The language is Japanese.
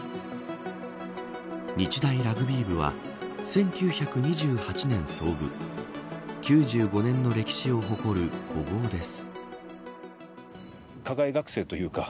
日大ラグビー部は１９２８年創部９５年の歴史を誇る古豪です。